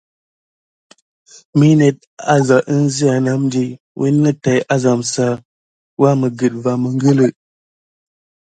Mi net aza əŋzia nam di, wounet tay azam sa waməget va məngələ.